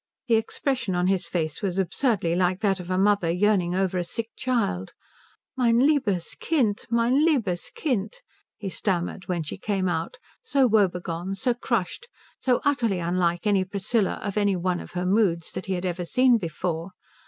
The expression on his face was absurdly like that of a mother yearning over a sick child. "Mein liebes Kind mein liebes Kind," he stammered when she came out, so woebegone, so crushed, so utterly unlike any Priscilla of any one of her moods that he had ever seen before.